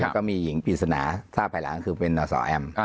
ก็มีหญิงปริศนาทราบภายหลังคือเป็นนสแอม